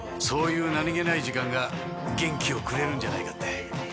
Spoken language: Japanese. そういう何げない時間が元気をくれるんじゃないかって。